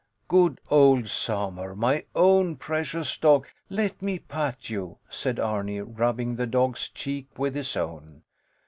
Good old Samur, my own precious dog, let me pat you, said Arni, rubbing the dog's cheek with his own.